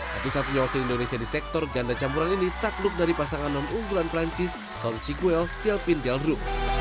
satu satunya wakil indonesia di sektor ganda campuran ini tak lup dari pasangan nom unggulan pelancis ton chiguel delvin delru